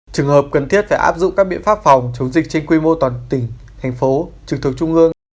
trường hợp cần thiết phải áp dụng các biện pháp phòng chống dịch trên quy mô toàn tỉnh thành phố trực thuộc trung ương